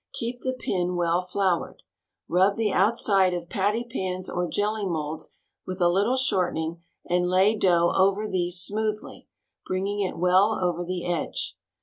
Keep the pin well floured. Rub the outside of patty pans or jelly molds with a little shortening and lay dough over these smoothly, bringing it "well over the edge.